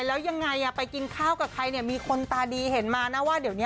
แล้วยังไงไปกินข้าวกับใครเนี่ยมีคนตาดีเห็นมานะว่าเดี๋ยวนี้